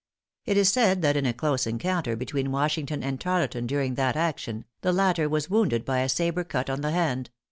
It is said that in a close encounter between Washington and Tarleton during that action, the latter was wounded by a sabre cut on the hand.